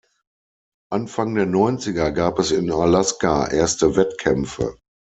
Anfang der Neunziger gab es in Alaska erste Wettkämpfe.